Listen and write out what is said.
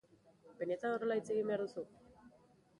Benetan horrela hitz egin behar duzu?